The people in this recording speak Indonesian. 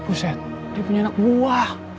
pusat dia punya anak buah